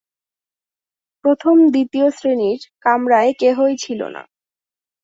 প্রথম দ্বিতীয় শ্রেণীর কামরায় কেহই ছিল না।